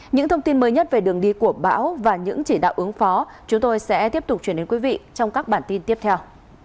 những thông tin mới nhất về đường đi của bão và những chỉ đạo ứng phó chúng tôi sẽ tiếp tục truyền đến quý vị trong các bản tin tiếp theo